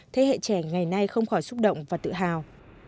thế hệ trẻ ngày nay không khỏi xúc động và tự hào